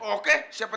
oke siapa takut